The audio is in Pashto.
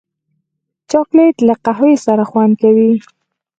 چاکلېټ له قهوې سره خوند کوي.